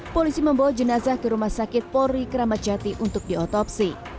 polisi membawa jenazah ke rumah sakit polri kramatjati untuk diotopsi